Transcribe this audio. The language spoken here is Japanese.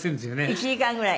１時間ぐらい？